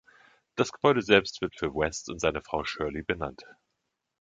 Das Gebäude selbst wird für West und seine Frau Shirley benannt.